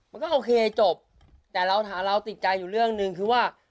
มันก็โอเคจบแต่เราติดใจอยู่เรื่องหนึ่งคือว่า